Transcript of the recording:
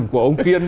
của ông kiên